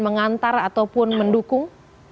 mengantar ataupun mendukung